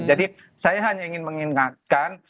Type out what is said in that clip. jadi saya hanya ingin mengingatkan